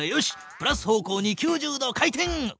プラス方向に９０度回転！